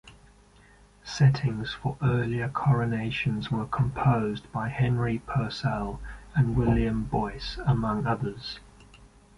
Settings for earlier coronations were composed by Henry Purcell and William Boyce, among others.